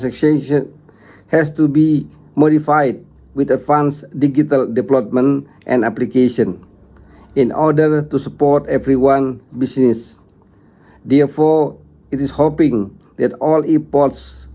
kami akan menikmati dan mendengar sesi dari penelitian berbagai jenis